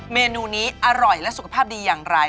เมนูนี้อร่อยและสุขภาพดีอย่างไร